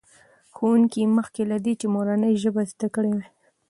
ښوونکي مخکې له دې مورنۍ ژبه زده کړې وه.